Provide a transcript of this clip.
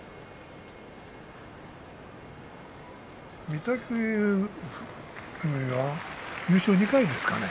御嶽海は優勝２回ですかね。